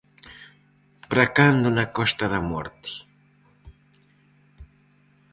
Para cando na Costa da Morte?